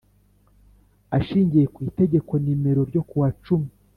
Ashingiye ku Itegeko nimero ryo kuwa cumi